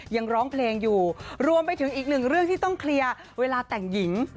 ยังร้องเพลงอยู่รวมไปถึงอีกหนึ่งเรื่องที่ต้องเคลียร์เวลาแต่งหญิง